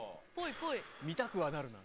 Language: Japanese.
見たくはなるな。